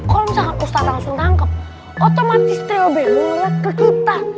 kalau misalkan ustadz langsung tangkap otomatis trio bemo ngeliat ke kita